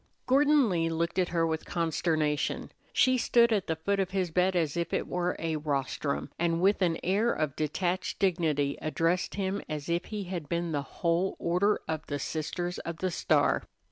Gordon Lee looked at her with consternation. She stood at the foot of his bed as if it wore a rostrum, and with an air of detached dignity addressed him as if he had been the whole Order of the Sisters of the Star.